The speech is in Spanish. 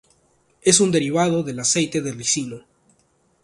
Es un derivado del aceite de ricino.